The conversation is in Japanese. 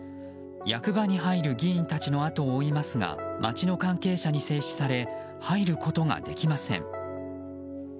役場に入る議員たちの後を追いますが町の関係者に制止され入ることができません。